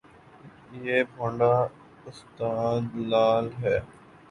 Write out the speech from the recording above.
یہ بھونڈا استدلال ہے۔